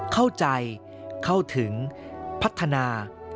เข้าใจเข้าถึงพัฒนา